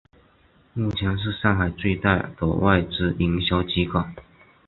目前是上海最大的外资营销机构。